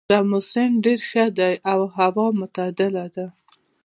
دا موسم ډېر ښه ده او هوا معتدله ده